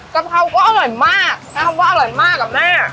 กะพราวก็อร่อยมากแทดบ้าอร่อยมากนะแม่